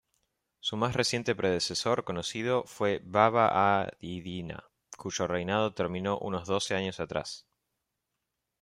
Su más reciente predecesor conocido fue Baba-aha-iddina, cuyo reinado terminó unos doce años atrás.